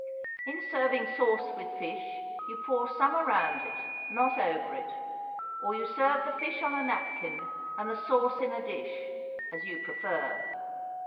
In serving sauce with fish you pour some around it, not over it; or you serve the fish on a napkin, and the sauce in a dish, as you prefer.